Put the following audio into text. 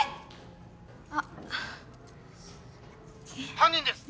犯人です！